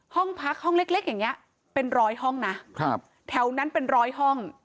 ห้องพักห้องเล็กอย่างนี้เป็นร้อยห้องนะครับแถวนั้นเป็นร้อยห้อง